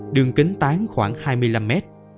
đường kính tán khoảng hai mươi năm m